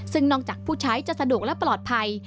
ซึ่งนอกจากผู้ใช้จะสะดวกและปลอดภัย